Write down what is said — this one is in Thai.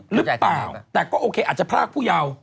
หรือเปล่าแต่ก็โอเคอาจจะพรากผู้เยาว์